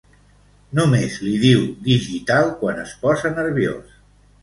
Només li diu digital quan es posa nerviós.